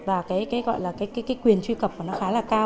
và quyền truy cập khá là cao